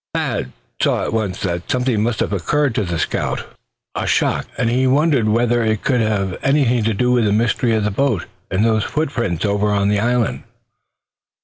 Thad saw at once that something must have occurred to give the scout a shock; and he wondered whether it could have anything to do with the mystery of the boat, and those footprints over on the island.